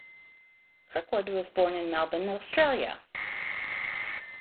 Kirkwood was born in Melbourne, Australia.